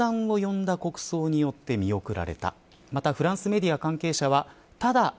またフランスメディア関係者は。